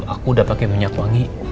aku udah pakai minyak wangi